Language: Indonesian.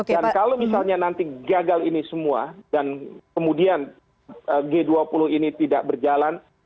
dan kalau misalnya nanti gagal ini semua dan kemudian g dua puluh ini tidak berjalan